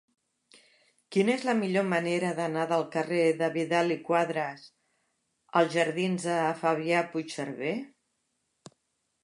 Quina és la millor manera d'anar del carrer de Vidal i Quadras als jardins de Fabià Puigserver?